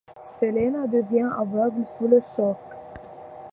Selena devient aveugle sous le choc.